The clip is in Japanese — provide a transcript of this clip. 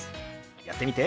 やってみて。